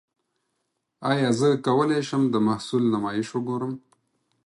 ایا زه کولی شم د محصول نمایش وګورم؟